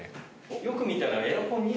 よく見たら。